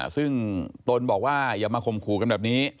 ซึ่งตนบอกว่าอย่ามาข่มขู่กันแบบนี้